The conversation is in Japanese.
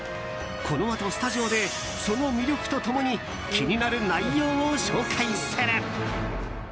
このあとスタジオでその魅力と共に気になる内容を紹介する。